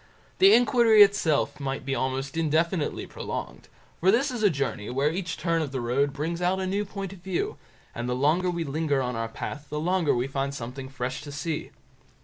The inquiry itself might be almost indefinitely prolonged, for this is a journey where each turn of the road brings out a new point of view, and the longer we linger on our path, the longer we find something fresh to see.